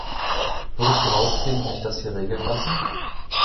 Würdest du rausgehen und mich das hier regeln lassen?